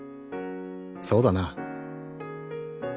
そうだな！